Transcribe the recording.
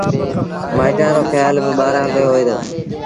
مآئيٚٽآݩ رو کيآل با ٻآرآݩ تي هوئي دو۔